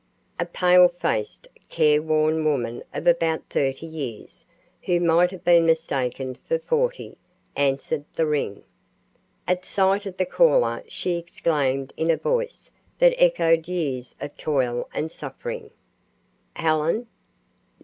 A pale faced, care worn woman of about 30 years, who might have been mistaken for 40, answered the ring. At sight of the caller she exclaimed in a voice that echoed years of toil and suffering: "Helen!"